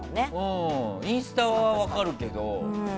インスタは分かるけど。